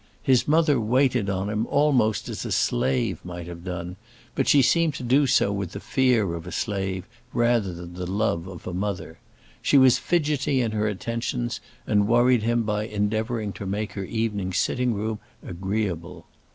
His mother waited on him almost as a slave might have done; but she seemed to do so with the fear of a slave rather than the love of a mother. She was fidgety in her attentions, and worried him by endeavouring to make her evening sitting room agreeable.